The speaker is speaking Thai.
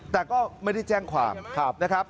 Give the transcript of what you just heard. แต่ก็ไม่ได้แจ้งความนะครับ